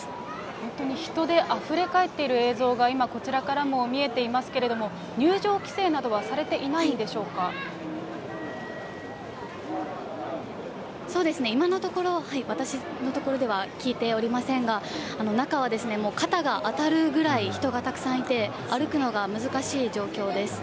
本当に人であふれ返っている映像が今、こちらからも見えていますけれども、入場規制などはされていないそうですね、今のところ、私のところでは聞いておりませんが、中はもう肩が当たるぐらい人がたくさんいて、歩くのが難しい状況です。